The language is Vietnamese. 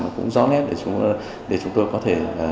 nó cũng rõ nét để chúng tôi có thể